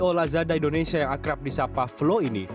co ceo lazada indonesia yang akrab di sapa flo ini